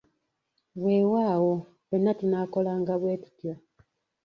Weewaawo, ffenna tunaakolanga bwetutyo!